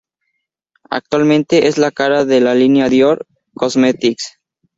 Actualmente es la cara de la línea Dior Cosmetics.